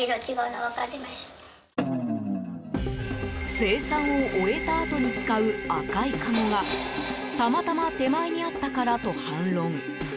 精算を終えたあとに使う赤いかごがたまたま手前にあったからと反論。